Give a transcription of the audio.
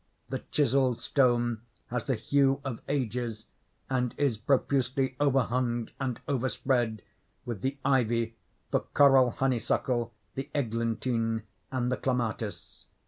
The chiselled stone has the hue of ages, and is profusely overhung and overspread with the ivy, the coral honeysuckle, the eglantine, and the clematis.